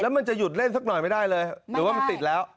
มันจะหยุดเล่นสักหน่อยไม่ได้เลยหรือว่ามันติดแล้ว